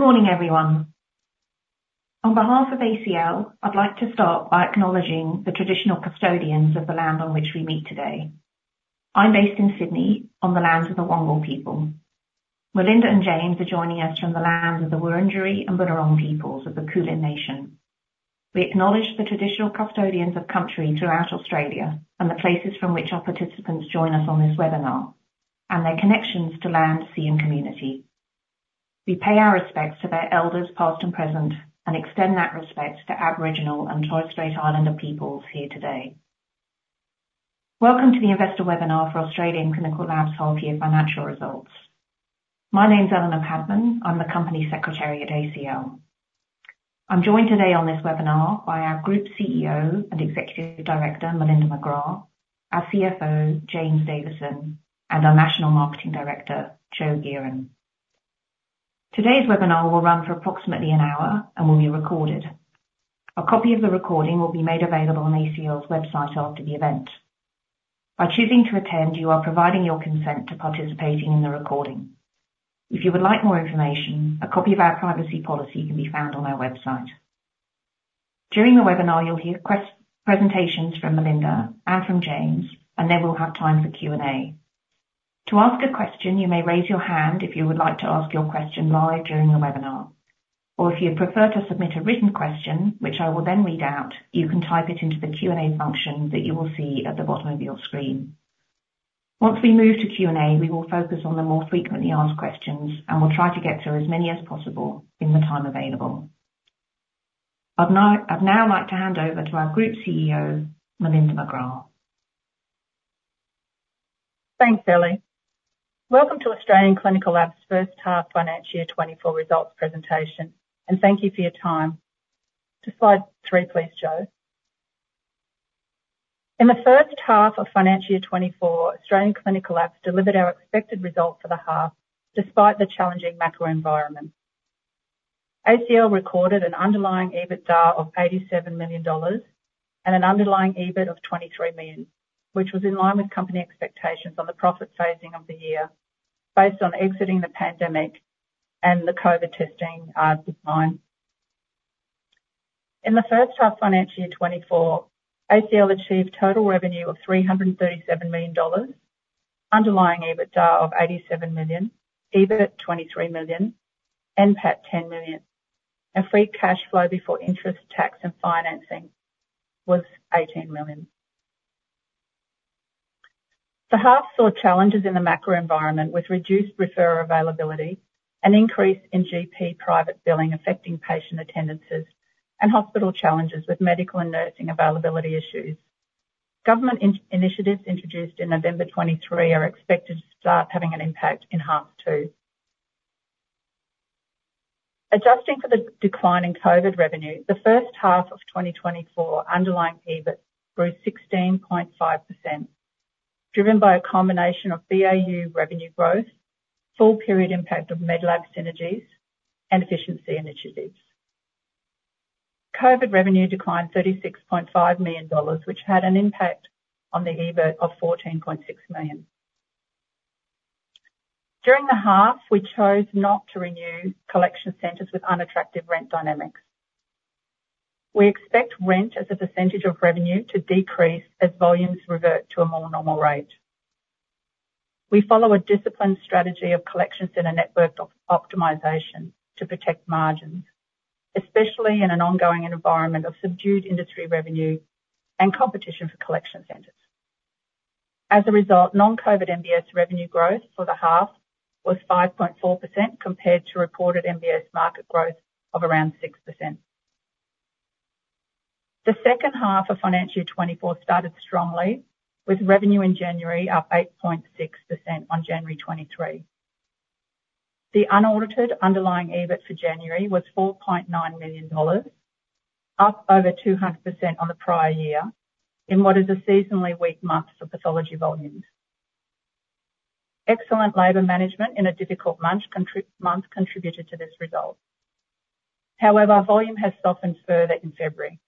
Good morning, everyone. On behalf of ACL, I'd like to start by acknowledging the traditional custodians of the land on which we meet today. I'm based in Sydney, on the lands of the Wangal people. Melinda and James are joining us from the lands of the Wurundjeri and Boonwurrung peoples of the Kulin Nation. We acknowledge the traditional custodians of country throughout Australia and the places from which our participants join us on this webinar, and their connections to land, sea, and community. We pay our respects to their elders, past and present, and extend that respect to Aboriginal and Torres Strait Islander peoples here today. Welcome to the investor webinar for Australian Clinical Labs Half-Year Financial Results. My name's Eleanor Padman. I'm the Company Secretary at ACL. I'm joined today on this webinar by our Group CEO and Executive Director, Melinda McGrath, our CFO, James Davison, and our National Marketing Director, Joe Geran. Today's webinar will run for approximately an hour and will be recorded. A copy of the recording will be made available on ACL's website after the event. By choosing to attend, you are providing your consent to participating in the recording. If you would like more information, a copy of our privacy policy can be found on our website. During the webinar, you'll hear presentations from Melinda and from James, and then we'll have time for Q&A. To ask a question, you may raise your hand if you would like to ask your question live during the webinar. Or if you'd prefer to submit a written question, which I will then read out, you can type it into the Q&A function that you will see at the bottom of your screen. Once we move to Q&A, we will focus on the more frequently asked questions and will try to get to as many as possible in the time available. I'd now like to hand over to our Group CEO, Melinda McGrath. Thanks, Ellie. Welcome to Australian Clinical Labs' First Half Financial Year 2024 results presentation, and thank you for your time. To slide three, please, Joe. In the first half of financial year 2024, Australian Clinical Labs delivered our expected result for the half despite the challenging macro environment. ACL recorded an underlying EBITDA of 87 million dollars and an underlying EBIT of 23 million, which was in line with company expectations on the profit phasing of the year based on exiting the pandemic and the COVID testing decline. In the first half financial year 2024, ACL achieved total revenue of 337 million dollars, underlying EBITDA of 87 million, EBIT 23 million, NPAT 10 million, and free cash flow before interest, tax, and financing was 18 million. The half saw challenges in the macro environment with reduced referral availability and increase in GP private billing affecting patient attendances and hospital challenges with medical and nursing availability issues. Government initiatives introduced in November 2023 are expected to start having an impact in half two. Adjusting for the declining COVID revenue, the first half of 2024 underlying EBIT grew 16.5%, driven by a combination of BAU revenue growth, full-period impact of Medlab synergies, and efficiency initiatives. COVID revenue declined 36.5 million dollars, which had an impact on the EBIT of 14.6 million. During the half, we chose not to renew collection centres with unattractive rent dynamics. We expect rent as a percentage of revenue to decrease as volumes revert to a more normal rate. We follow a disciplined strategy of collections in a network optimization to protect margins, especially in an ongoing environment of subdued industry revenue and competition for collection centers. As a result, non-COVID MBS revenue growth for the half was 5.4% compared to reported MBS market growth of around 6%. The second half of financial year 2024 started strongly, with revenue in January up 8.6% on January 2023. The unaudited underlying EBIT for January was 4.9 million dollars, up over 200% on the prior year in what is a seasonally weak month for pathology volumes. Excellent labor management in a difficult month contributed to this result. However, volume has softened further in February.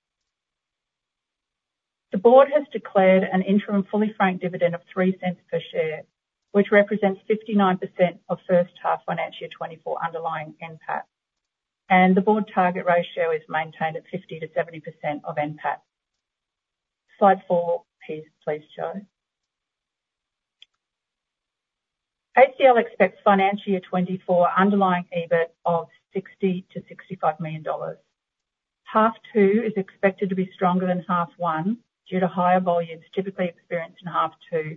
The board has declared an interim fully franked dividend of 0.03 per share, which represents 59% of first half financial year 2024 underlying NPAT. The board target ratio is maintained at 50%-70% of NPAT. Slide four, please, Joe. ACL expects financial year 2024 underlying EBIT of 60 million-65 million dollars. Half two is expected to be stronger than half one due to higher volumes typically experienced in half two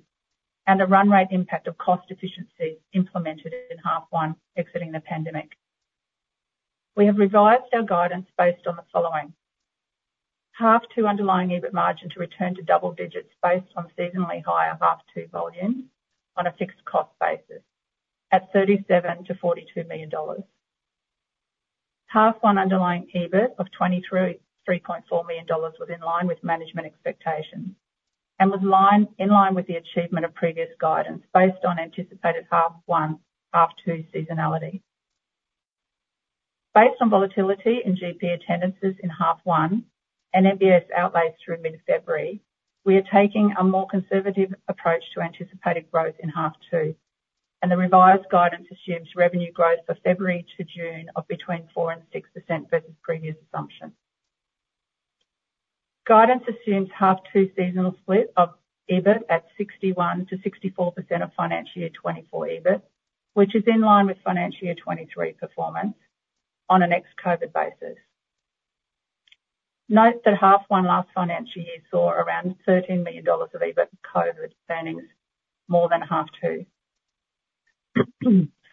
and the run-rate impact of cost efficiencies implemented in half one exiting the pandemic. We have revised our guidance based on the following: half two underlying EBIT margin to return to double digits based on seasonally higher half two volume on a fixed cost basis at 37 million-42 million dollars. Half one underlying EBIT of 23.4 million dollars was in line with management expectations and was in line with the achievement of previous guidance based on anticipated half one/half two seasonality. Based on volatility in GP attendances in half one and MBS outlays through mid-February, we are taking a more conservative approach to anticipated growth in half two. The revised guidance assumes revenue growth for February to June of between 4%-6% versus previous assumptions. Guidance assumes half two seasonal split of EBIT at 61%-64% of financial year 2024 EBIT, which is in line with financial year 2023 performance on an ex-COVID basis. Note that half one last financial year saw around 13 million dollars of EBIT COVID spillovers more than half two.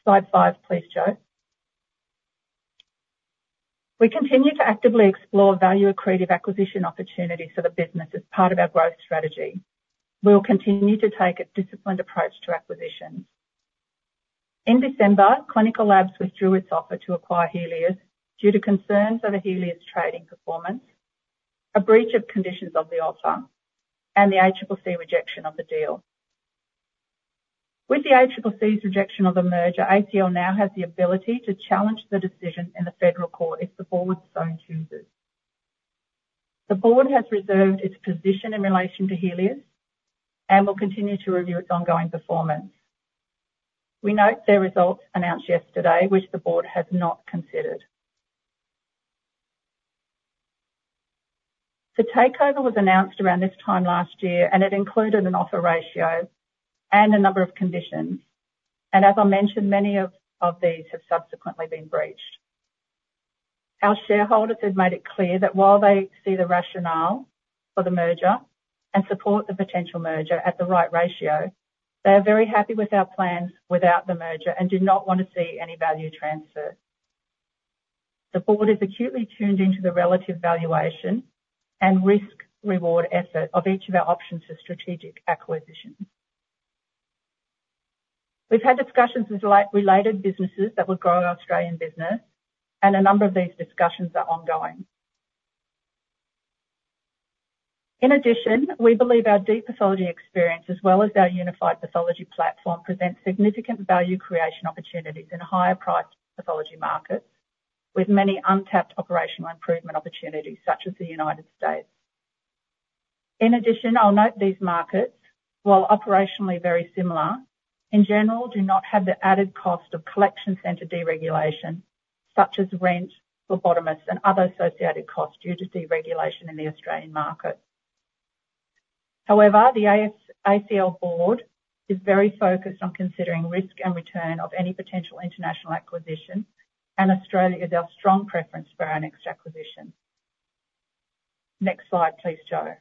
Slide five, please, Joe. We continue to actively explore value accretive acquisition opportunities for the business as part of our growth strategy. We will continue to take a disciplined approach to acquisitions. In December, Clinical Labs withdrew its offer to acquire Healius due to concerns over Healius trading performance, a breach of conditions of the offer, and the ACCC rejection of the deal. With the ACCC's rejection of the merger, ACL now has the ability to challenge the decision in the federal court if the board so chooses. The board has reserved its position in relation to Healius and will continue to review its ongoing performance. We note their results announced yesterday, which the board has not considered. The takeover was announced around this time last year, and it included an offer ratio and a number of conditions. As I mentioned, many of these have subsequently been breached. Our shareholders have made it clear that while they see the rationale for the merger and support the potential merger at the right ratio, they are very happy with our plans without the merger and do not want to see any value transfer. The board is acutely tuned into the relative valuation and risk-reward effort of each of our options for strategic acquisitions. We've had discussions with related businesses that would grow Australian business, and a number of these discussions are ongoing. In addition, we believe our deep pathology experience as well as our unified pathology platform present significant value creation opportunities in higher-priced pathology markets with many untapped operational improvement opportunities such as the United States. In addition, I'll note these markets, while operationally very similar, in general do not have the added cost of collection center deregulation such as rent, laboratories, and other associated costs due to deregulation in the Australian market. However, the ACL board is very focused on considering risk and return of any potential international acquisition, and Australia is our strong preference for our next acquisition. Next slide, please, Joe.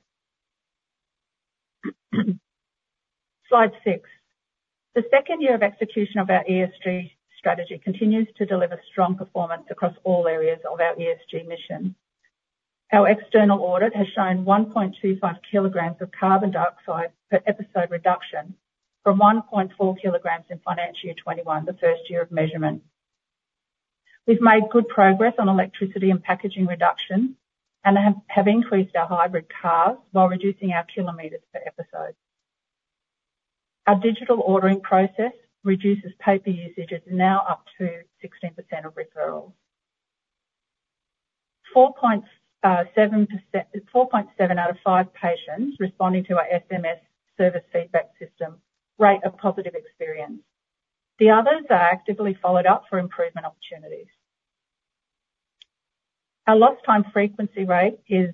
Slide six. The second year of execution of our ESG strategy continues to deliver strong performance across all areas of our ESG mission. Our external audit has shown 1.25 kg of carbon dioxide per episode reduction from 1.4 kg in financial year 2021, the first year of measurement. We've made good progress on electricity and packaging reduction and have increased our hybrid cars while reducing our kilometers per episode. Our digital ordering process reduces paper usage as now up to 16% of referrals. 4.7 out of 5 patients responding to our SMS service feedback system rate a positive experience. The others are actively followed up for improvement opportunities. Our lost time frequency rate is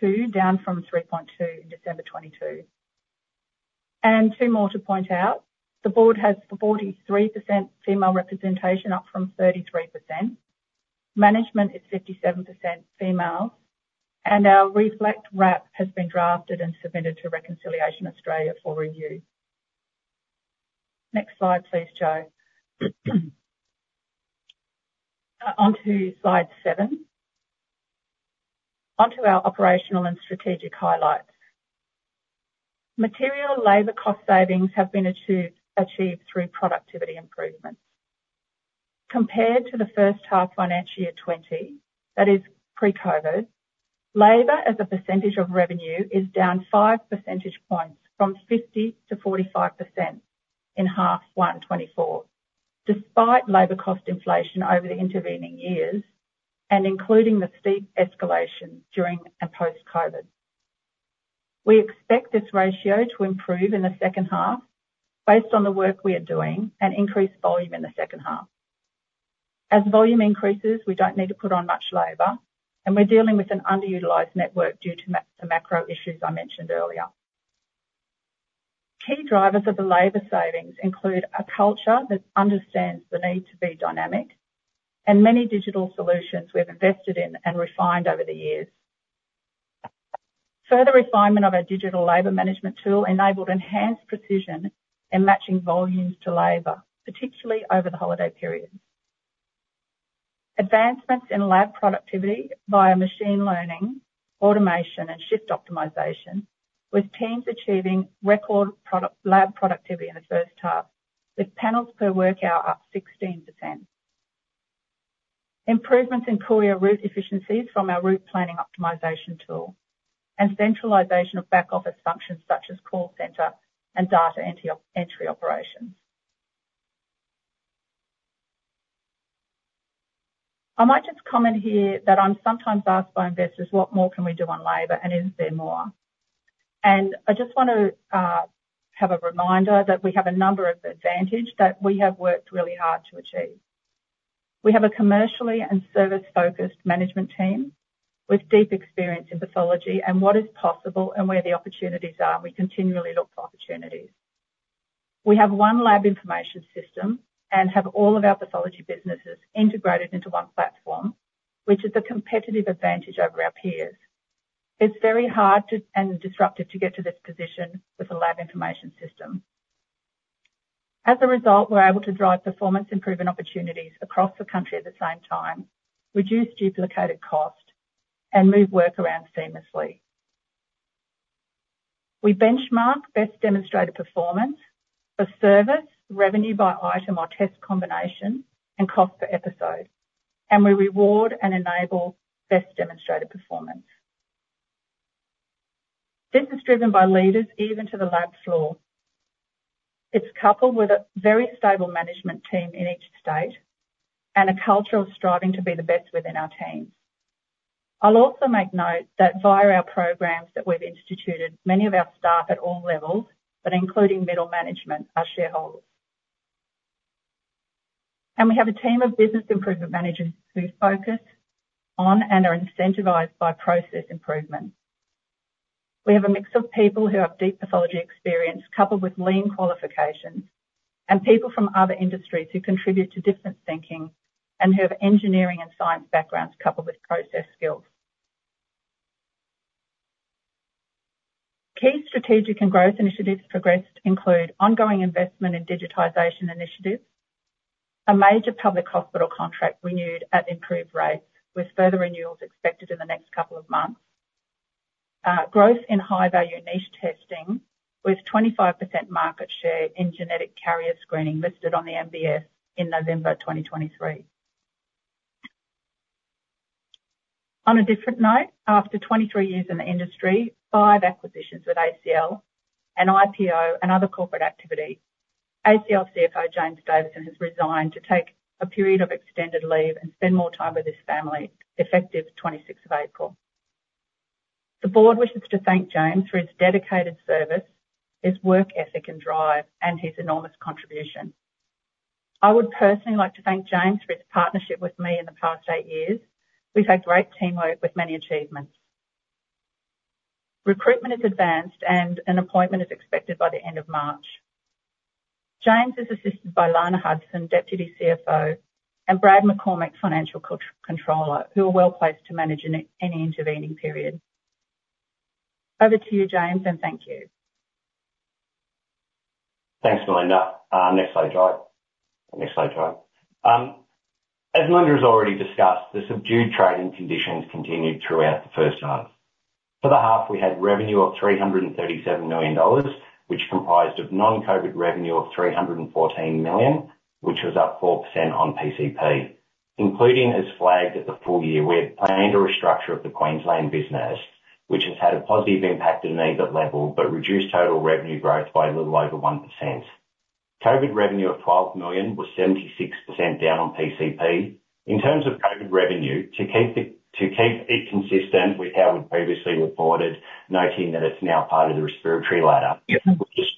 two, down from 3.2 in December 2022. And two more to point out. The board has 43% female representation, up from 33%. Management is 57% females. And our Reflect RAP has been drafted and submitted to Reconciliation Australia for review. Next slide, please, Joe. Onto slide seven. Onto our operational and strategic highlights. Material labor cost savings have been achieved through productivity improvements. Compared to the first half financial year 2020, that is pre-COVID, labor as a percentage of revenue is down 5 percentage points from 50%-45% in half one 2024 despite labor cost inflation over the intervening years and including the steep escalation during and post-COVID. We expect this ratio to improve in the second half based on the work we are doing and increase volume in the second half. As volume increases, we don't need to put on much labor, and we're dealing with an underutilized network due to the macro issues I mentioned earlier. Key drivers of the labor savings include a culture that understands the need to be dynamic and many digital solutions we've invested in and refined over the years. Further refinement of our digital labor management tool enabled enhanced precision in matching volumes to labor, particularly over the holiday period. Advancements in lab productivity via machine learning, automation, and shift optimization with teams achieving record lab productivity in the first half with panels per work hour up 16%. Improvements in courier route efficiencies from our route planning optimization tool and centralization of back-office functions such as call center and data entry operations. I might just comment here that I'm sometimes asked by investors, "What more can we do on labor, and is there more?" I just want to have a reminder that we have a number of advantages that we have worked really hard to achieve. We have a commercially and service-focused management team with deep experience in pathology and what is possible and where the opportunities are. We continually look for opportunities. We have one lab information system and have all of our pathology businesses integrated into one platform, which is a competitive advantage over our peers. It's very hard and disruptive to get to this position with a lab information system. As a result, we're able to drive performance improvement opportunities across the country at the same time, reduce duplicated cost, and move work around seamlessly. We benchmark best demonstrated performance for service, revenue by item or test combination, and cost per episode. We reward and enable best demonstrated performance. This is driven by leaders even to the lab floor. It's coupled with a very stable management team in each state and a culture of striving to be the best within our teams. I'll also make note that via our programs that we've instituted, many of our staff at all levels, but including middle management, are shareholders. We have a team of business improvement managers who focus on and are incentivized by process improvement. We have a mix of people who have deep pathology experience coupled with lean qualifications and people from other industries who contribute to different thinking and who have engineering and science backgrounds coupled with process skills. Key strategic and growth initiatives progressed include ongoing investment in digitization initiatives, a major public hospital contract renewed at improved rates with further renewals expected in the next couple of months, growth in high-value niche testing with 25% market share in genetic carrier screening listed on the MBS in November 2023. On a different note, after 23 years in the industry, five acquisitions with ACL, an IPO, and other corporate activity, ACL CFO James Davison has resigned to take a period of extended leave and spend more time with his family, effective 26th of April. The board wishes to thank James for his dedicated service, his work ethic, and drive, and his enormous contribution. I would personally like to thank James for his partnership with me in the past eight years. We've had great teamwork with many achievements. Recruitment has advanced, and an appointment is expected by the end of March. James is assisted by Lana Hudson, Deputy CFO, and Brad McCormick, Financial Controller, who are well placed to manage in any intervening period. Over to you, James, and thank you. Thanks, Melinda. Next slide, Joe. Next slide, Joe. As Melinda has already discussed, the subdued trading conditions continued throughout the first half. For the half, we had revenue of 337 million dollars, which comprised of non-COVID revenue of 314 million, which was up 4% on PCP, including as flagged at the full year. We had planned a restructure of the Queensland business, which has had a positive impact at an EBIT level but reduced total revenue growth by a little over 1%. COVID revenue of 12 million was 76% down on PCP. In terms of COVID revenue, to keep it consistent with how we'd previously reported, noting that it's now part of the respiratory ladder, we've just,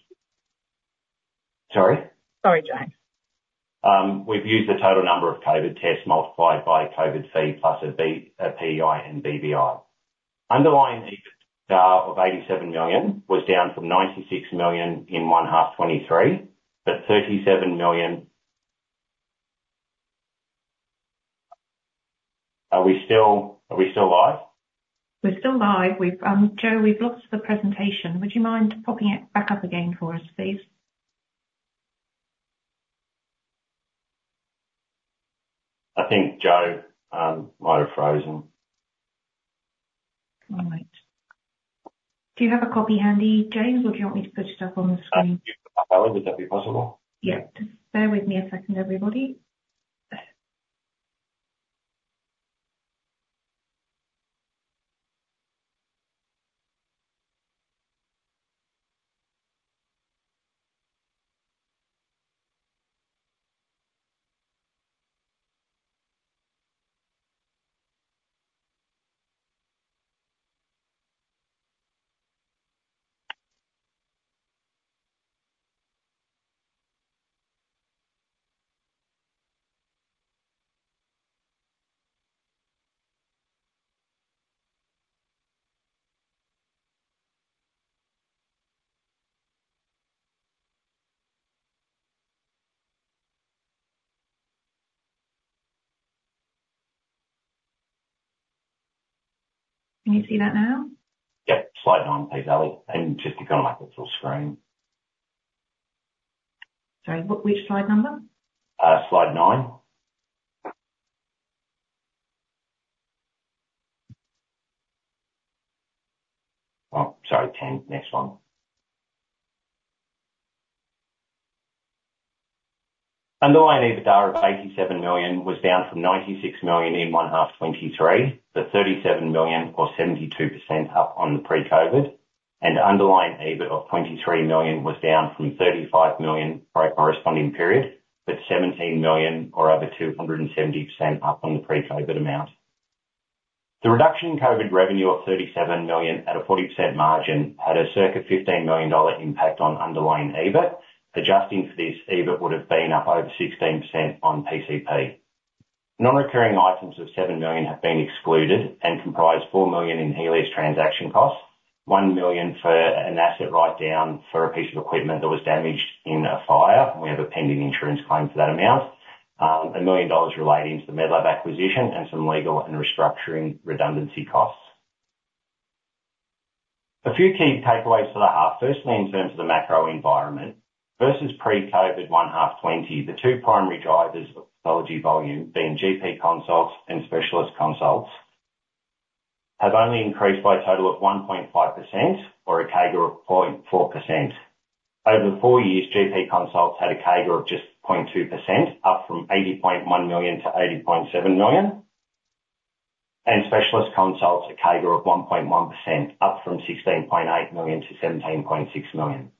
sorry? Sorry, Joe. We've used the total number of COVID tests multiplied by COVID fee plus a PEI and BBI. Underlying EBITDA of 87 million was down from 96 million in one half 2023, but 37 million. Are we still live? We're still live. Joe, we've lost the presentation. Would you mind popping it back up again for us, please? I think Joe might have frozen. All right. Do you have a copy handy, James, or do you want me to put it up on the screen? Hello? Would that be possible? Yeah. Just bear with me a second, everybody. Can you see that now? Yeah. Slide nine, please, Ellie. I'm just going to make it full screen. Sorry. Which slide number? Slide nine. Oh, sorry. 10. Next one. Underlying EBITDA of 87 million was down from 96 million in one half 2023, but 37 million or 72% up on the pre-COVID. Underlying EBIT of 23 million was down from 35 million corresponding period, but 17 million or over 270% up on the pre-COVID amount. The reduction in COVID revenue of AUD 37 million at a 40% margin had a circa 15 million dollar impact on underlying EBIT. Adjusting for this, EBIT would have been up over 16% on PCP. Non-recurring items of 7 million have been excluded and comprise 4 million in Healius transaction costs, 1 million for an asset write-down for a piece of equipment that was damaged in a fire. And we have a pending insurance claim for that amount, 1 million dollars relating to the Medlab acquisition, and some legal and restructuring redundancy costs. A few key takeaways for the half. Firstly, in terms of the macro environment versus pre-COVID one half 2020, the two primary drivers of pathology volume being GP consults and specialist consults have only increased by a total of 1.5% or a CAGR of 0.4%. Over the four years, GP consults had a CAGR of just 0.2%, up from 80.1 million-80.7 million, and specialist consults a CAGR of 1.1%, up from 16.8 million-17.6 million.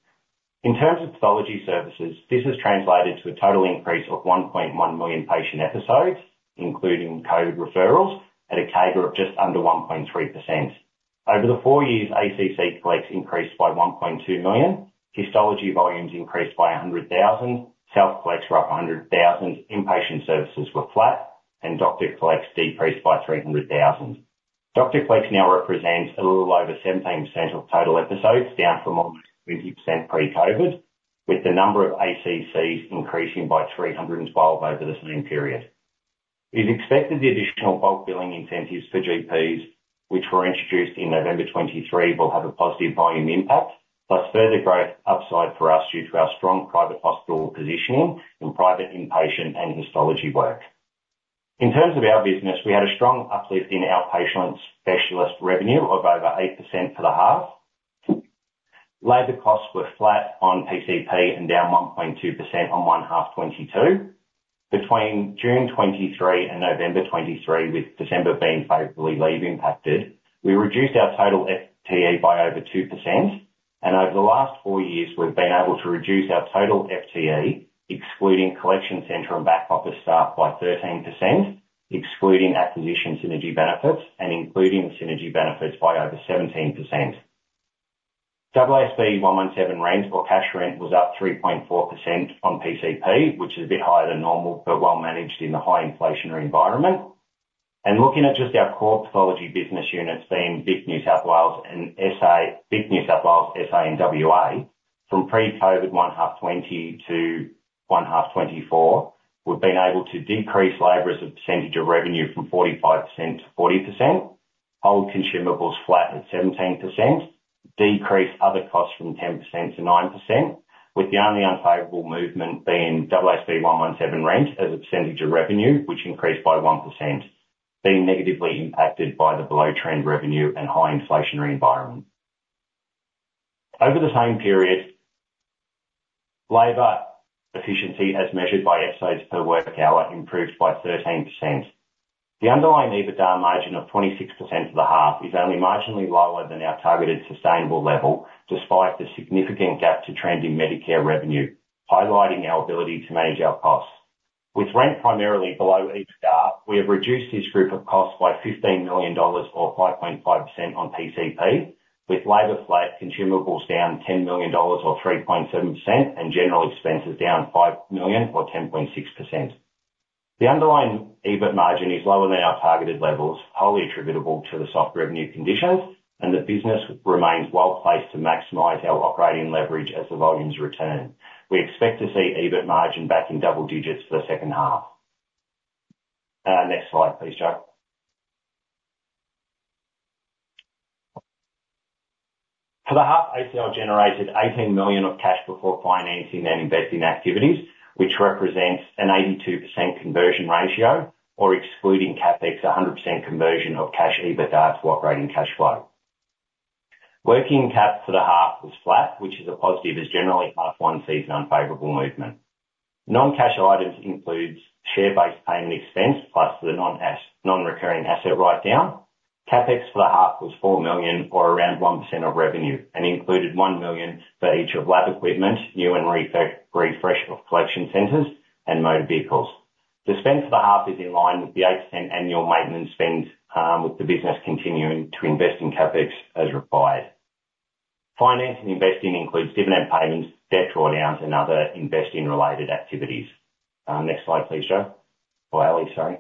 In terms of pathology services, this has translated to a total increase of 1.1 million patient episodes, including COVID referrals, at a CAGR of just under 1.3%. Over the four years, ACC collects increased by 1.2 million, histology volumes increased by 100,000, self-collects were up 100,000, inpatient services were flat, and doctor collects decreased by 300,000. Doctor collects now represents a little over 17% of total episodes, down from almost 20% pre-COVID, with the number of ACCs increasing by 312 over the same period. It is expected the additional bulk billing incentives for GPs, which were introduced in November 2023, will have a positive volume impact plus further growth upside for us due to our strong private hospital positioning in private inpatient and histology work. In terms of our business, we had a strong uplift in outpatient specialist revenue of over 8% for the half. Labor costs were flat on PCP and down 1.2% on one half 2022. Between June 2023 and November 2023, with December being favorably leave impacted, we reduced our total FTE by over 2%. Over the last four years, we've been able to reduce our total FTE, excluding collection center and back-office staff, by 13%, excluding acquisition synergy benefits, and including synergy benefits by over 17%. AASB 117 rent or cash rent was up 3.4% on PCP, which is a bit higher than normal but well managed in the high inflationary environment. Looking at just our core pathology business units being Vic, New South Wales, SA and WA, from pre-COVID one half 2020 to one half 2024, we've been able to decrease labor as a percentage of revenue from 45%-40%, hold consumables flat at 17%, decrease other costs from AUD .10- AUD .09, with the only unfavourable movement being AASB 117 rent as a percentage of revenue, which increased by 1%, being negatively impacted by the below-trend revenue and high inflationary environment. Over the same period, labour efficiency as measured by episodes per work hour improved by 13%. The underlying EBITDA margin of 26% for the half is only marginally lower than our targeted sustainable level despite the significant gap to trend in Medicare revenue, highlighting our ability to manage our costs. With rent primarily below EBITDA, we have reduced this group of costs by 15 million dollars or 5.5% on PCP, with labor flat, consumables down 10 million dollars or 3.7%, and general expenses down 5 million or 10.6%. The underlying EBIT margin is lower than our targeted levels, wholly attributable to the soft revenue conditions, and the business remains well placed to maximize our operating leverage as the volumes return. We expect to see EBIT margin back in double digits for the second half. Next slide, please, Joe. For the half, ACL generated 18 million of cash before financing and investing activities, which represents an 82% conversion ratio or excluding CAPEX, 100% conversion of cash EBITDA to operating cash flow. Working CAP for the half was flat, which is a positive as generally half one sees an unfavorable movement. Non-cash items include share-based payment expense plus the non-recurring asset write-down. CapEx for the half was 4 million or around 1% of revenue and included 1 million for each of lab equipment, new and refresh of collection centres, and motor vehicles. The spend for the half is in line with the 8% annual maintenance spend, with the business continuing to invest in CapEx as required. Financing and investing includes dividend payments, debt drawdowns, and other investing-related activities. Next slide, please, Joe. Or Ellie, sorry.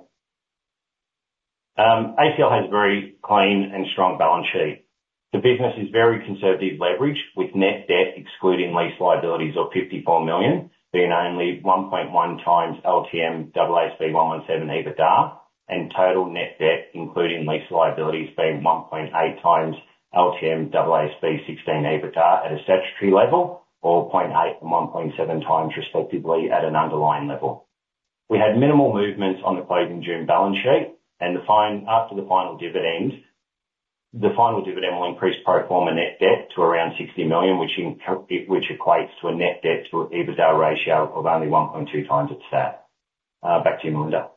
ACL has a very clean and strong balance sheet. The business is very conservative leverage, with net debt excluding lease liabilities of 54 million being only 1.1x LTM AASB 117 EBITDA and total net debt including lease liabilities being 1.8x LTM AASB 16 EBITDA at a statutory level or 0.8x and 1.7x respectively at an underlying level. We had minimal movements on the closing June balance sheet. After the final dividend, the final dividend will increase pro forma net debt to around 60 million, which equates to a net debt to EBITDA ratio of only 1.2x its at. Back to you, Melinda.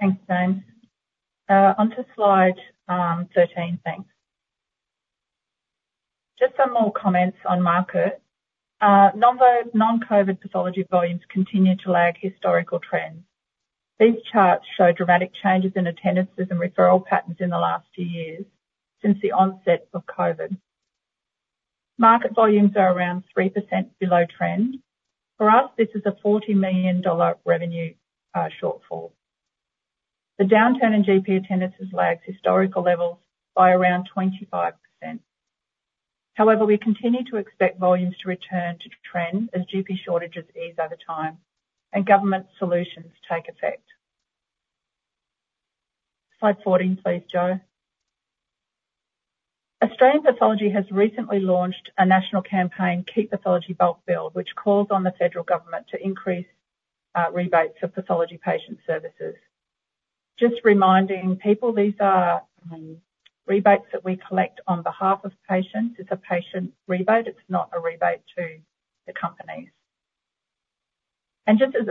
Thanks, James. Onto slide 13, thanks. Just some more comments on market. Non-COVID pathology volumes continue to lag historical trends. These charts show dramatic changes in attendances and referral patterns in the last two years since the onset of COVID. Market volumes are around 3% below trend. For us, this is a 40 million dollar revenue shortfall. The downturn in GP attendances lags historical levels by around 25%. However, we continue to expect volumes to return to trend as GP shortages ease over time and government solutions take effect. Slide 14, please, Joe. Australian Pathology has recently launched a national campaign, Keep Pathology Bulk Billed, which calls on the federal government to increase rebates for pathology patient services. Just reminding people, these are rebates that we collect on behalf of patients. It's a patient rebate. It's not a rebate to the companies. And just as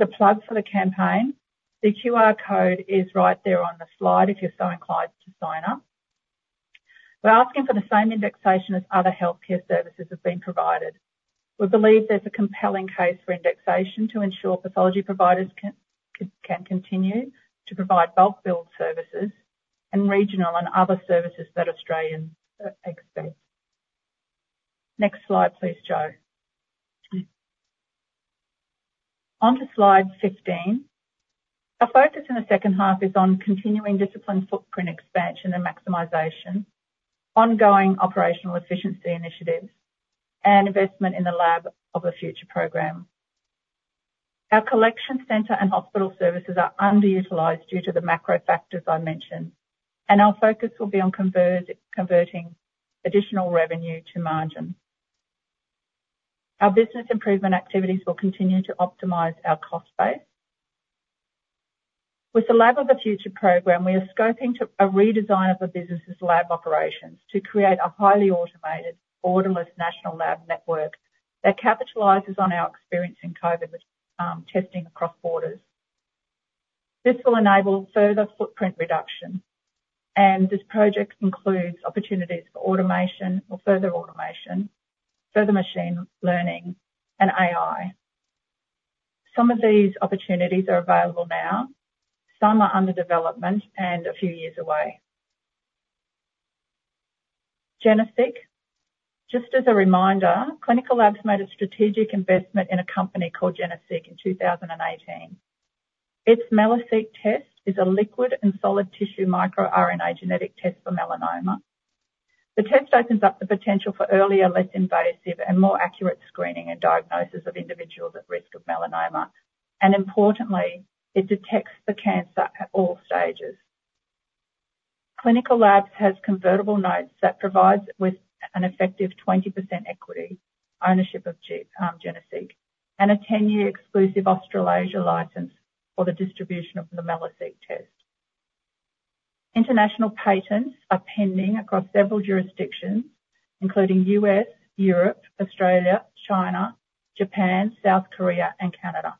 a plug for the campaign, the QR code is right there on the slide if you're so inclined to sign up. We're asking for the same indexation as other healthcare services have been provided. We believe there's a compelling case for indexation to ensure pathology providers can continue to provide bulk bill services and regional and other services that Australians expect. Next slide, please, Joe. Onto slide 15. Our focus in the second half is on continuing disciplined footprint expansion and maximization, ongoing operational efficiency initiatives, and investment in the Lab of the Future program. Our collection centre and hospital services are underutilized due to the macro factors I mentioned, and our focus will be on converting additional revenue to margin. Our business improvement activities will continue to optimize our cost base. With the Lab of the Future program, we are scoping a redesign of the business's lab operations to create a highly automated, orderless national lab network that capitalizes on our experience in COVID testing across borders. This will enable further footprint reduction. And this project includes opportunities for automation or further automation, further machine learning, and AI. Some of these opportunities are available now. Some are under development and a few years away. Geneseq. Just as a reminder, Clinical Labs made a strategic investment in a company called Geneseq in 2018. Its Melaseq test is a liquid and solid tissue microRNA genetic test for melanoma. The test opens up the potential for earlier, less invasive, and more accurate screening and diagnosis of individuals at risk of melanoma. Importantly, it detects the cancer at all stages. Clinical Labs has convertible notes that provides with an effective 20% equity ownership of Geneseq and a 10-year exclusive Australasia license for the distribution of the Melaseq test. International patents are pending across several jurisdictions, including U.S., Europe, Australia, China, Japan, South Korea, and Canada.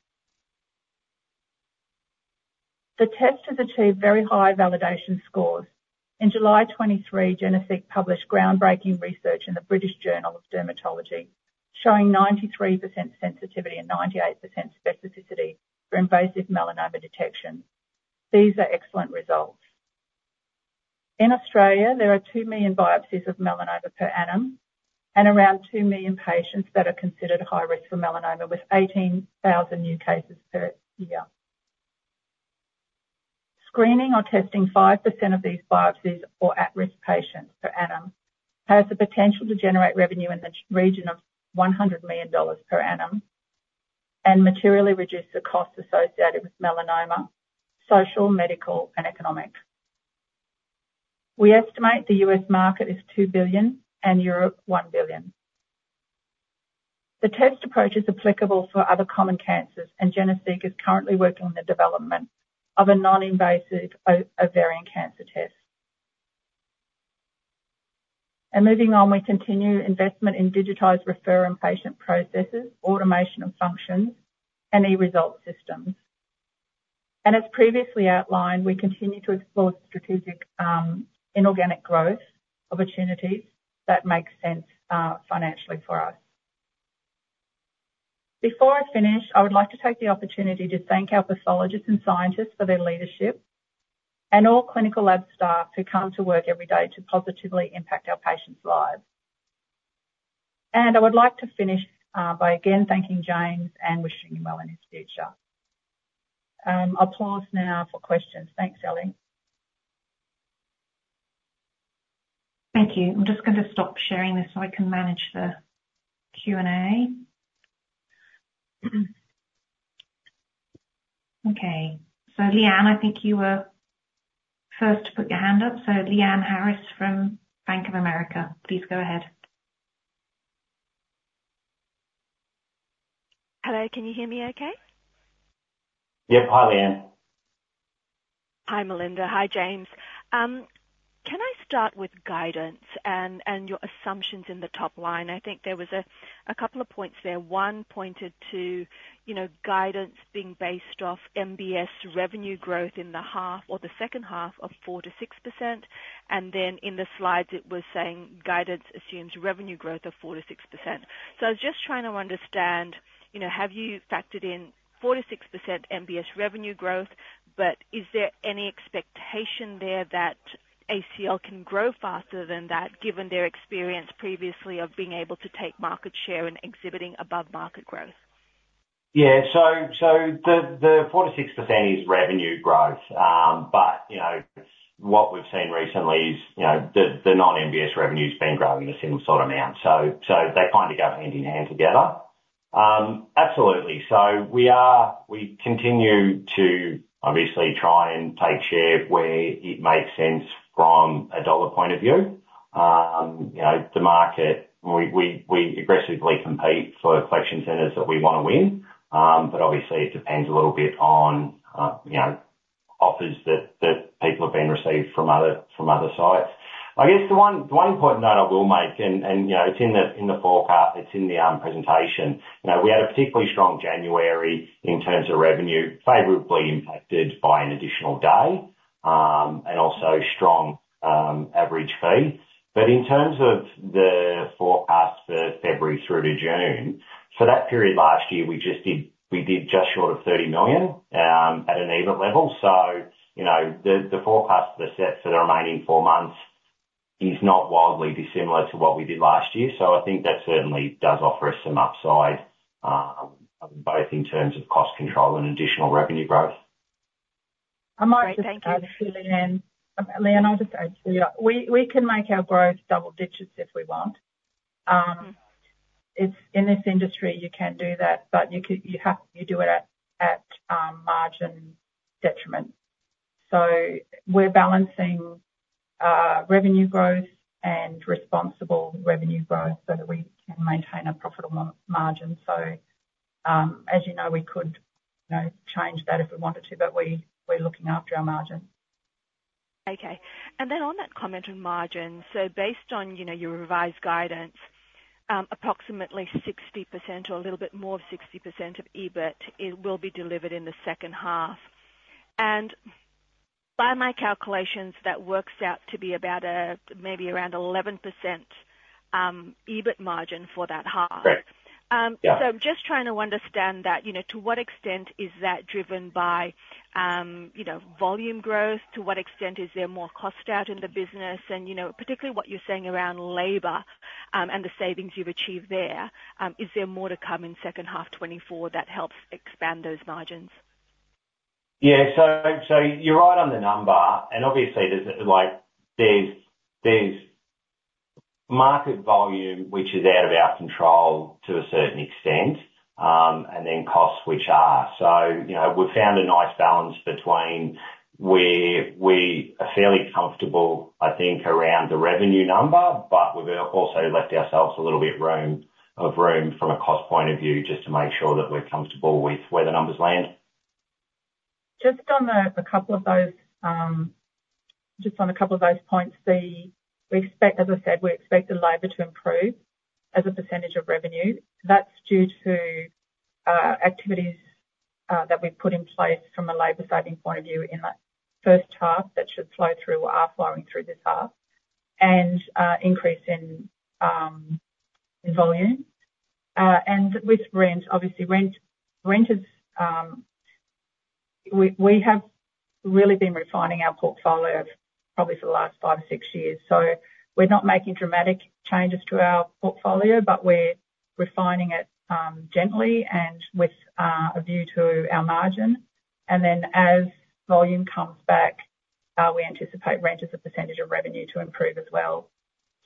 The test has achieved very high validation scores. In July 2023, Geneseq published groundbreaking research in the British Journal of Dermatology showing 93% sensitivity and 98% specificity for invasive melanoma detection. These are excellent results. In Australia, there are two million biopsies of melanoma per annum and around two million patients that are considered high risk for melanoma with 18,000 new cases per year. Screening or testing 5% of these biopsies or at-risk patients per annum has the potential to generate revenue in the region of 100 million dollars per annum and materially reduce the costs associated with melanoma, social, medical, and economic. We estimate the U.S. market is 2 billion and Europe 1 billion. The test approach is applicable for other common cancers, and Geneseq is currently working on the development of a non-invasive ovarian cancer test. Moving on, we continue investment in digitized refer and patient processes, automation of functions, and e-result systems. As previously outlined, we continue to explore strategic inorganic growth opportunities that make sense financially for us. Before I finish, I would like to take the opportunity to thank our pathologists and scientists for their leadership and all Clinical Labs staff who come to work every day to positively impact our patients' lives. I would like to finish by again thanking James and wishing him well in his future. Applause now for questions. Thanks, Ellie. Thank you. I'm just going to stop sharing this so I can manage the Q&A. Okay. So Lyanne, I think you were first to put your hand up. So Lyanne Harrison from Bank of America, please go ahead. Hello. Can you hear me okay? Yep. Hi, Lyanne. Hi, Melinda. Hi, James. Can I start with guidance and your assumptions in the top line? I think there was a couple of points there. One pointed to guidance being based off MBS revenue growth in the half or the second half of 4%-6%. And then in the slides, it was saying guidance assumes revenue growth of 4%-6%. So I was just trying to understand, have you factored in 4%-6% MBS revenue growth, but is there any expectation there that ACL can grow faster than that given their experience previously of being able to take market share and exhibiting above market growth? Yeah. So the 4%-6% is revenue growth. But what we've seen recently is the non-MBS revenue's been growing the same sort of amount. So they kind of go hand in hand together. Absolutely. So we continue to obviously try and take share where it makes sense from a dollar point of view. The market, we aggressively compete for collection centers that we want to win. But obviously, it depends a little bit on offers that people have been receiving from other sites. I guess the one important note I will make, and it's in the forecast, it's in the presentation, we had a particularly strong January in terms of revenue, favorably impacted by an additional day and also strong average fee. But in terms of the forecast for February through to June, for that period last year, we did just short of 30 million at an EBIT level. So the forecast for the set for the remaining four months is not wildly dissimilar to what we did last year. So I think that certainly does offer us some upside both in terms of cost control and additional revenue growth. I might just add to Lyanne. Lyanne, I'll just add to you. We can make our growth double digits if we want. In this industry, you can do that, but you do it at margin detriment. So we're balancing revenue growth and responsible revenue growth so that we can maintain a profitable margin. So as you know, we could change that if we wanted to, but we're looking after our margins. Okay. And then on that comment on margins, so based on your revised guidance, approximately 60% or a little bit more of 60% of EBIT will be delivered in the second half. And by my calculations, that works out to be maybe around 11% EBIT margin for that half. So I'm just trying to understand that to what extent is that driven by volume growth? To what extent is there more cost out in the business? And particularly what you're saying around labor and the savings you've achieved there, is there more to come in second half 2024 that helps expand those margins? Yeah. So you're right on the number. And obviously, there's market volume which is out of our control to a certain extent and then costs which are. So we've found a nice balance between we're fairly comfortable, I think, around the revenue number, but we've also left ourselves a little bit of room from a cost point of view just to make sure that we're comfortable with where the numbers land. Just on a couple of those points, as I said, we expect the labor to improve as a percentage of revenue. That's due to activities that we've put in place from a labor-saving point of view in that first half that should flow through or are flowing through this half and increase in volume. And with rent, obviously, rent is we have really been refining our portfolio probably for the last five or six years. So we're not making dramatic changes to our portfolio, but we're refining it gently and with a view to our margin. And then as volume comes back, we anticipate rent as a percentage of revenue to improve as well.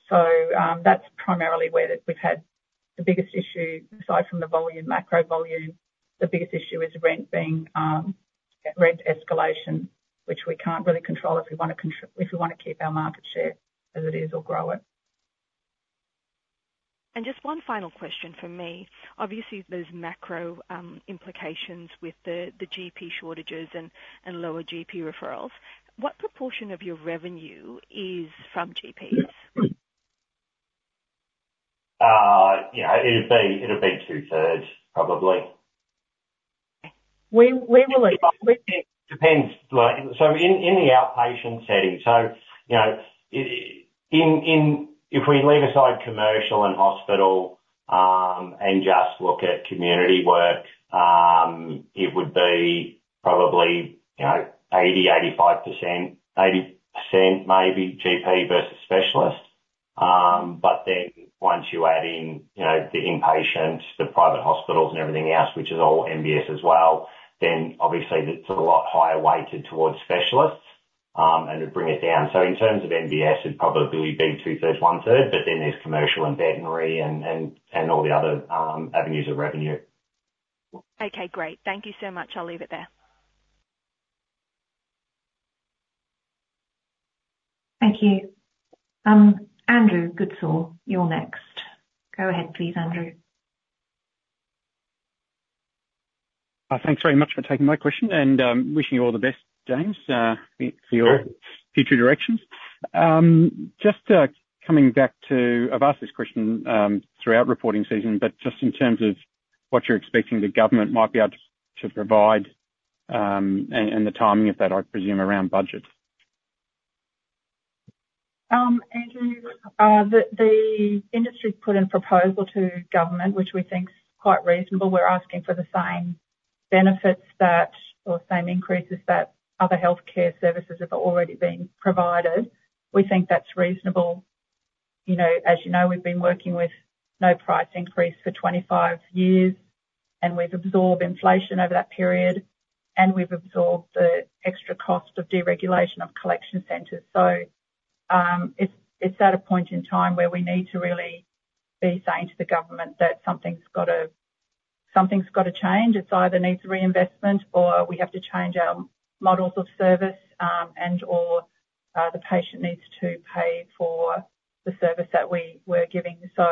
So that's primarily where we've had the biggest issue aside from the macro volume. The biggest issue is rent escalation, which we can't really control if we want to keep our market share as it is or grow it. And just one final question from me. Obviously, there's macro implications with the GP shortages and lower GP referrals. What proportion of your revenue is from GPs? It'll be 2/3, probably. Okay. Where will it? So in the outpatient setting so if we leave aside commercial and hospital and just look at community work, it would be probably 80%, 85%, 80% maybe GP versus specialist. But then once you add in the inpatients, the private hospitals, and everything else, which is all MBS as well, then obviously, it's a lot higher weighted towards specialists, and it'd bring it down. So in terms of MBS, it'd probably be two-thirds, one-third. But then there's commercial and veterinary and all the other avenues of revenue. Okay. Great. Thank you so much. I'll leave it there. Thank you. Andrew Goodsall, you're next. Go ahead, please, Andrew. Thanks very much for taking my question and wishing you all the best, James, for your future directions. Just coming back to I've asked this question throughout reporting season, but just in terms of what you're expecting the government might be able to provide and the timing of that, I presume, around budget. Andrew, the industry put in a proposal to government, which we think's quite reasonable. We're asking for the same benefits or same increases that other healthcare services have already been provided. We think that's reasonable. As you know, we've been working with no price increase for 25 years, and we've absorbed inflation over that period, and we've absorbed the extra cost of deregulation of collection centres. So it's at a point in time where we need to really be saying to the government that something's got to change. It's either needs reinvestment or we have to change our models of service and/or the patient needs to pay for the service that we're giving. So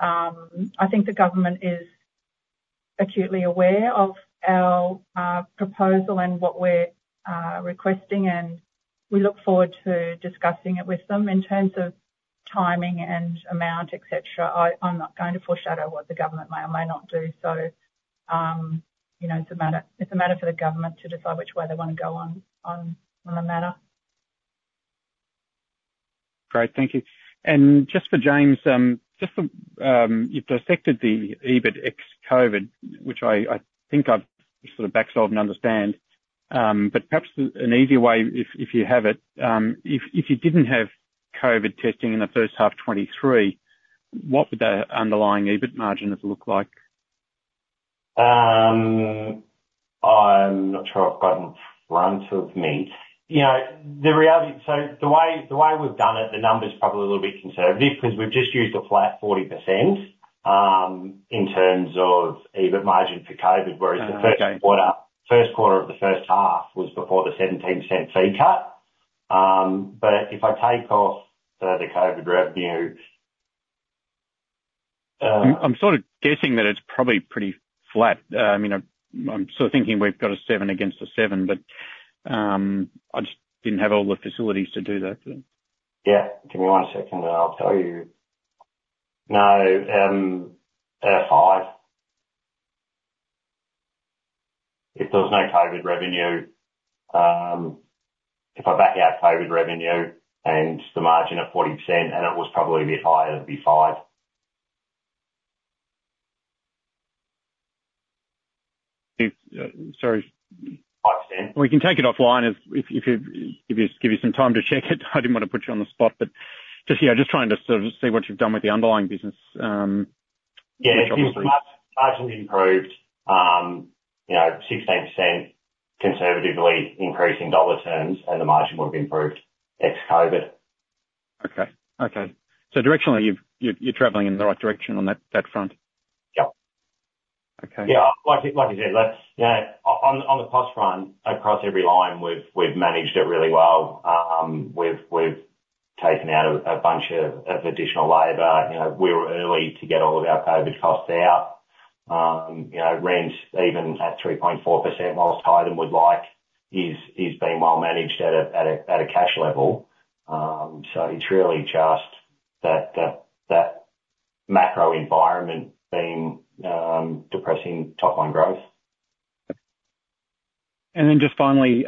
I think the government is acutely aware of our proposal and what we're requesting, and we look forward to discussing it with them in terms of timing and amount, etc. I'm not going to foreshadow what the government may or may not do. So it's a matter for the government to decide which way they want to go on the matter. Great. Thank you. And just for James, you've dissected the EBIT ex-COVID, which I think I've sort of back solved and understand. But perhaps an easier way, if you have it, if you didn't have COVID testing in the first half 2023, what would the underlying EBIT margin have looked like? I'm not sure I've got in front of me. So the way we've done it, the number's probably a little bit conservative because we've just used a flat 40% in terms of EBIT margin for COVID, whereas the first quarter of the first half was before the 0.17 fee cut. But if I take off the COVID revenue. I'm sort of guessing that it's probably pretty flat. I mean, I'm sort of thinking we've got a 7% against a 7%, but I just didn't have all the facilities to do that. Yeah. Give me one second, and I'll tell you. No, a 5%. If there's no COVID revenue if I back out COVID revenue and the margin of 40%, and it was probably a bit higher, it'd be 5%. Sorry. 5%. We can take it offline if you give me some time to check it. I didn't want to put you on the spot. But just trying to sort of see what you've done with the underlying business, which obviously. Yeah. If margin improved, 16% conservatively increasing dollar terms, and the margin would have improved ex-COVID. Okay. Okay. So directionally, you're traveling in the right direction on that front? Yep. Okay. Like I said, on the cost front, across every line, we've managed it really well. We've taken out a bunch of additional labor. We were early to get all of our COVID costs out. Rent, even at 3.4%, while higher than we'd like, is being well managed at a cash level. So it's really just that macro environment being depressing top-line growth. And then just finally,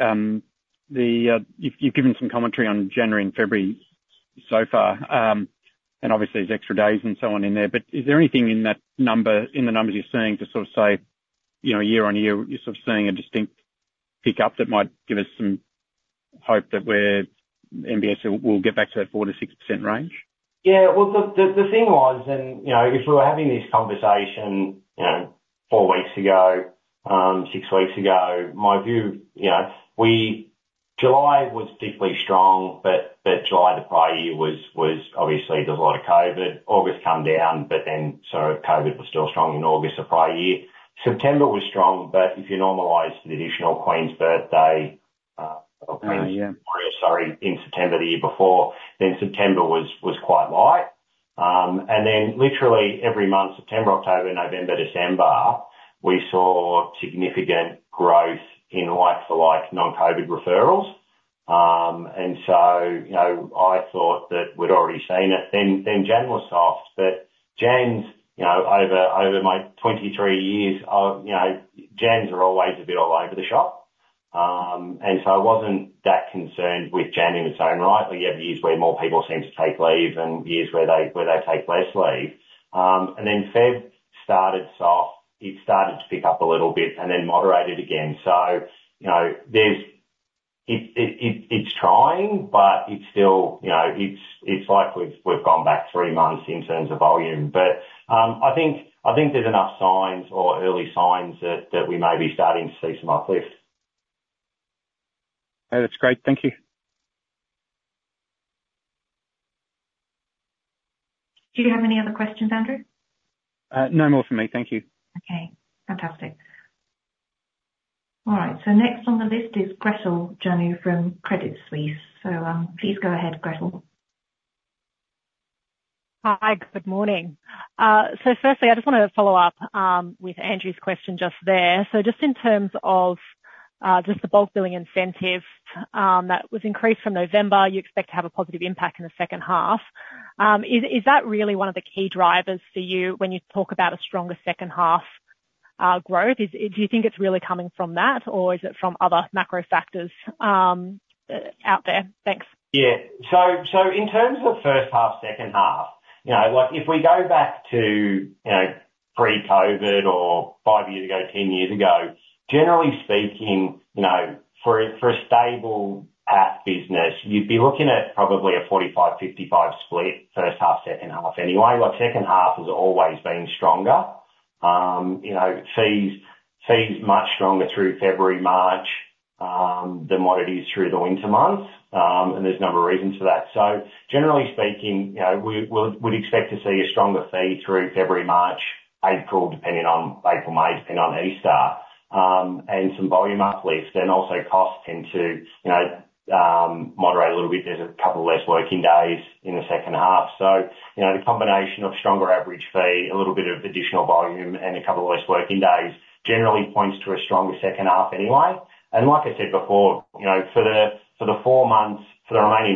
you've given some commentary on January and February so far and obviously these extra days and so on in there. But is there anything in the numbers you're seeing to sort of say year-on-year, you're sort of seeing a distinct pickup that might give us some hope that MBS will get back to that 4%-6% range? Yeah. Well, the thing was, and if we were having this conversation four weeks ago, six weeks ago, my view July was deeply strong, but July the prior year was obviously, there's a lot of COVID. August came down, but then so COVID was still strong in August the prior year. September was strong, but if you normalize to the additional Queen's Birthday or Queen's Memorial, sorry, in September the year before, then September was quite light. Then literally every month, September, October, November, December, we saw significant growth in like-for-like non-COVID referrals. And so I thought that we'd already seen it. Then January was soft. But Januarys, over my 23 years, Januarys are always a bit all over the shop. And so I wasn't that concerned with January in its own right. You have years where more people seem to take leave and years where they take less leave. Then February started soft. It started to pick up a little bit and then moderated again. So it's trying, but it's still it's like we've gone back three months in terms of volume. But I think there's enough signs or early signs that we may be starting to see some uplift. That's great. Thank you. Do you have any other questions, Andrew? No more from me. Thank you. Okay. Fantastic. All right. So next on the list is Gretel Janu from Credit Suisse. So please go ahead, Gretel. Hi. Good morning. So firstly, I just want to follow up with Andrew's question just there. So just in terms of just the bulk billing incentives that was increased from November, you expect to have a positive impact in the second half. Is that really one of the key drivers for you when you talk about a stronger second-half growth? Do you think it's really coming from that, or is it from other macro factors out there? Thanks. Yeah. So in terms of first-half, second-half, if we go back to pre-COVID or five years ago, 10 years ago, generally speaking, for a stable-half business, you'd be looking at probably a 45%, 55% split first-half, second-half anyway. Second-half has always been stronger. Fees much stronger through February, March than what it is through the winter months. And there's a number of reasons for that. So generally speaking, we'd expect to see a stronger fee through February, March, April, May, depending on Easter, and some volume uplift. And also costs tend to moderate a little bit. There's a couple of less working days in the second half. So the combination of stronger average fee, a little bit of additional volume, and a couple of less working days generally points to a stronger second half anyway. And like I said before, for the remaining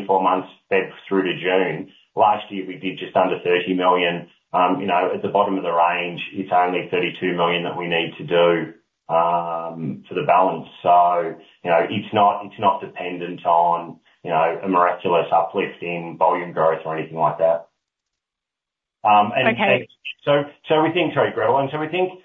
four months, February through to June, last year, we did just under 30 million. At the bottom of the range, it's only 32 million that we need to do for the balance. So it's not dependent on a miraculous uplift in volume growth or anything like that. And so we think, sorry, Gretel. And so we think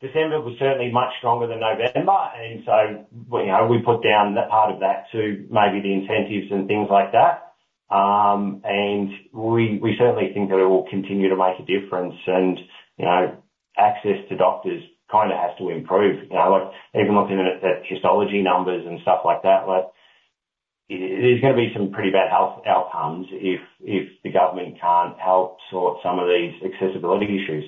December was certainly much stronger than November. And so we put down that part of that to maybe the incentives and things like that. And access to doctors kind of has to improve. Even looking at histology numbers and stuff like that, there's going to be some pretty bad health outcomes if the government can't help sort some of these accessibility issues.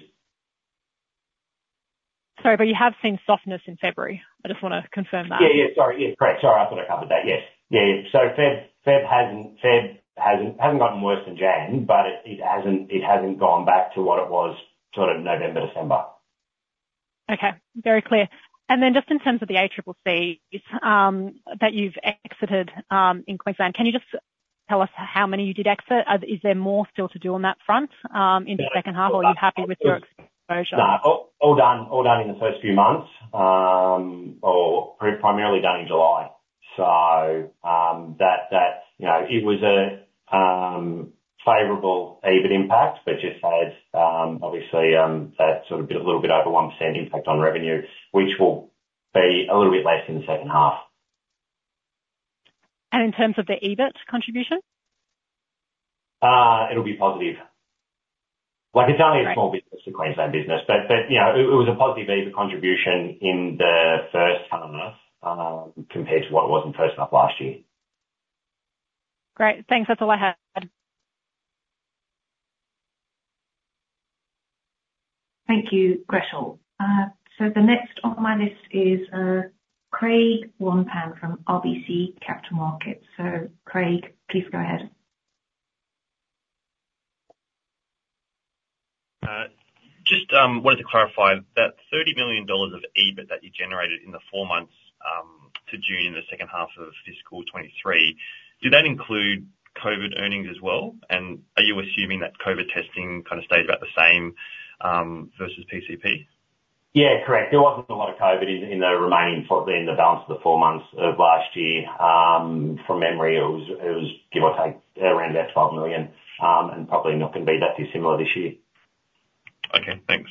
Sorry, but you have seen softness in February. I just want to confirm that. Yeah. Yeah. Sorry. Yeah. Correct. Sorry. I thought I covered that. Yes. Yeah. Yeah. So Feb hasn't gotten worse than Jan, but it hasn't gone back to what it was sort of November, December. Okay. Very clear. And then just in terms of the ACCs that you've exited in Queensland, can you just tell us how many you did exit? Is there more still to do on that front in the second half, or are you happy with your exposure? No. All done in the first few months or primarily done in July. So it was a favorable EBIT impact, but just had obviously that sort of a little bit over 1% impact on revenue, which will be a little bit less in the second half. And in terms of the EBIT contribution? It'll be positive. It's only a small business, the Queensland business, but it was a positive EBIT contribution in the first half compared to what it was in first half last year. Great. Thanks. That's all I had. Thank you, Gretel. So the next on my list is Craig Wong-Pan from RBC Capital Markets. So Craig, please go ahead. Just wanted to clarify that 30 million dollars of EBIT that you generated in the four months to June in the second half of fiscal 2023, did that include COVID earnings as well? And are you assuming that COVID testing kind of stayed about the same versus PCP? Yeah. Correct. There wasn't a lot of COVID in the remaining in the balance of the 4 months of last year. From memory, it was give or take around about 12 million and probably not going to be that dissimilar this year. Okay. Thanks.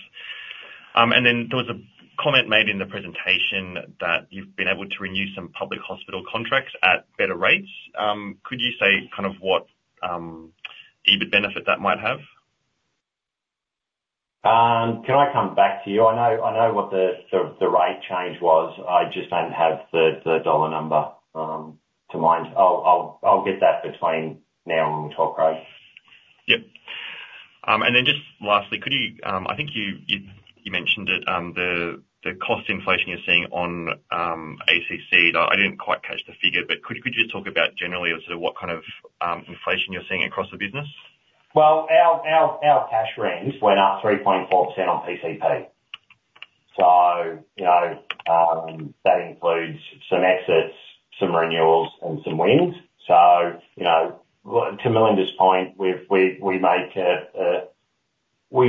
And then there was a comment made in the presentation that you've been able to renew some public hospital contracts at better rates. Could you say kind of what EBIT benefit that might have? Can I come back to you? I know what the rate change was. I just don't have the dollar number to mind. I'll get that between now and when we talk, Craig. Yep. And then just lastly, I think you mentioned it, the cost inflation you're seeing on ACC. I didn't quite catch the figure, but could you just talk about generally sort of what kind of inflation you're seeing across the business? Well, our cash range went up 3.4% on PCP. So that includes some exits, some renewals, and some wins. So to Melinda's point, we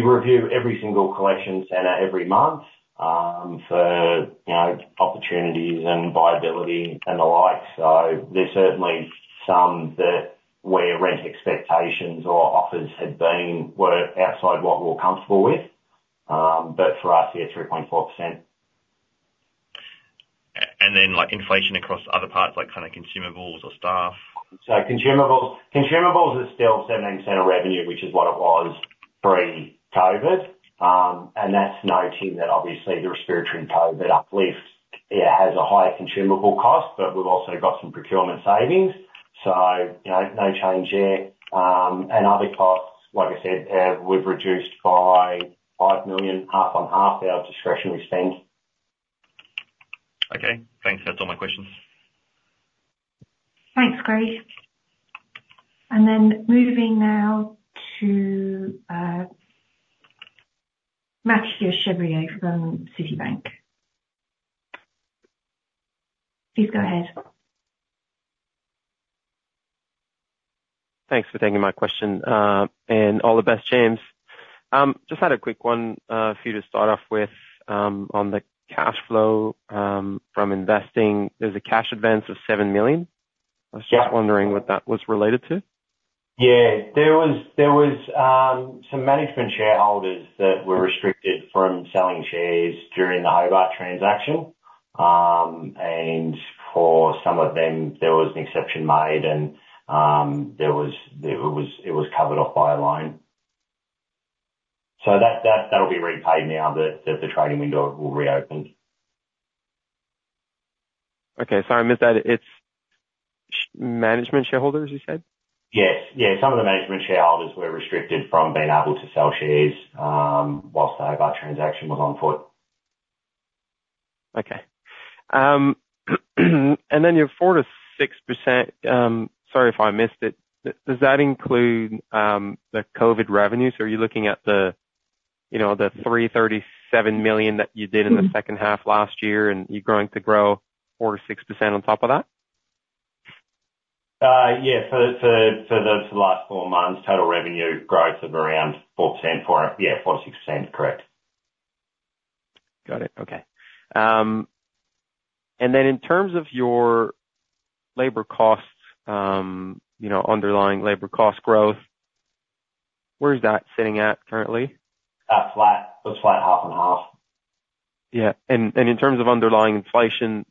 review every single collection center every month for opportunities and viability and the like. So there's certainly some where rent expectations or offers were outside what we were comfortable with. But for us, yeah, 3.4%. And then inflation across other parts like kind of consumables or staff? So consumables is still 17% of revenue, which is what it was pre-COVID. And that's noting that obviously the respiratory and COVID uplift, it has a higher consumable cost, but we've also got some procurement savings. So no change there. And other costs, like I said, we've reduced by 5 million half-on-half our discretionary spend. Okay. Thanks. That's all my questions. Thanks, Craig. Then moving now to Mathieu Chevrier from Citibank. Please go ahead. Thanks for taking my question and all the best, James. Just had a quick one for you to start off with on the cash flow from investing. There's a cash advance of 7 million. I was just wondering what that was related to. Yeah. There was some management shareholders that were restricted from selling shares during the Hobart transaction. And for some of them, there was an exception made, and it was covered off by a loan. So that'll be repaid now that the trading window will reopen. Okay. Sorry. I missed that. It's management shareholders, you said? Yes. Yeah. Some of the management shareholders were restricted from being able to sell shares whilst the Hobart transaction was on foot. Okay. And then your 4%-6% sorry if I missed it. Does that include the COVID revenues? Are you looking at the 337 million that you did in the second half last year and you're going to grow 4%-6% on top of that? Yeah. For the last four months, total revenue growth of around 4% yeah, 4%-6%. Correct. Got it. Okay. And then in terms of your labor costs, underlying labor cost growth, where's that sitting at currently? That's flat. It's flat half-on-half. Yeah. And in terms of underlying inflation,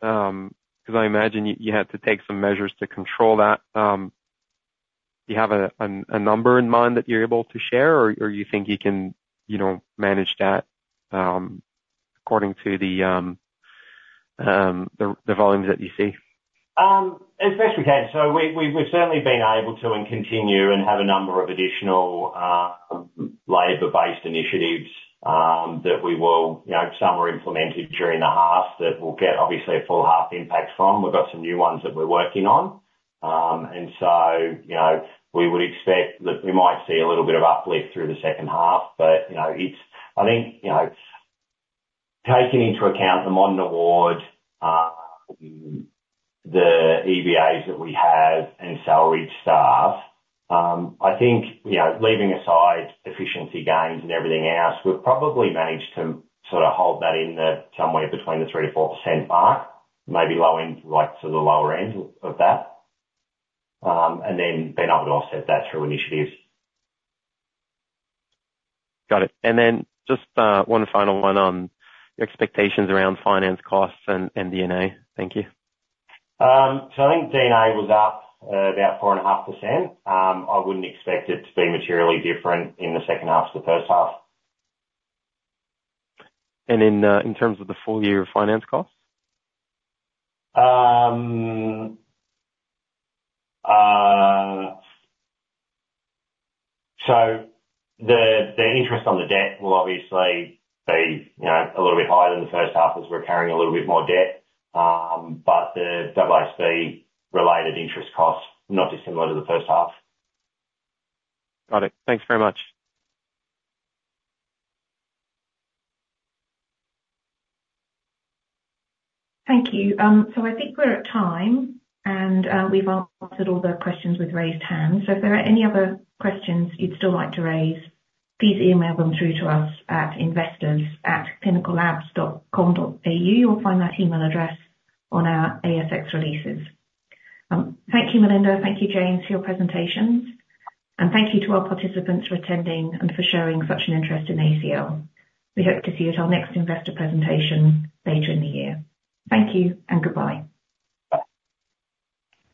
because I imagine you had to take some measures to control that, do you have a number in mind that you're able to share, or do you think you can manage that according to the volumes that you see? A special case. So we've certainly been able to and continue and have a number of additional labor-based initiatives that we will some were implemented during the half that we'll get obviously a full-half impact from. We've got some new ones that we're working on. And so we would expect that we might see a little bit of uplift through the second half. But I think taking into account the modern award, the EBAs that we have, and salaried staff, I think leaving aside efficiency gains and everything else, we've probably managed to sort of hold that in there somewhere between the 3%-4% mark, maybe leaning to the lower end of that, and then been able to offset that through initiatives. Got it. And then just one final one on your expectations around finance costs and D&A. Thank you. So I think D&A was up about 4.5%. I wouldn't expect it to be materially different in the second half to the first half. And in terms of the full year of finance costs? So the interest on the debt will obviously be a little bit higher than the first half as we're carrying a little bit more debt, but the AASB related interest costs not dissimilar to the first half. Got it. Thanks very much. Thank you. So I think we're at time, and we've answered all the questions with raised hands. So if there are any other questions you'd still like to raise, please email them through to us at investors@clinicallabs.com.au. You'll find that email address on our ASX releases. Thank you, Melinda. Thank you, James, for your presentations. Thank you to our participants for attending and for showing such an interest in ACL. We hope to see you at our next investor presentation later in the year. Thank you and goodbye. Bye.